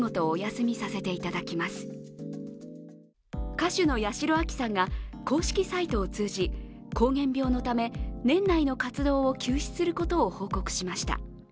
歌手の八代亜紀さんが公式サイトを通じこう原病のため、年内の活動を休止することを報告しました。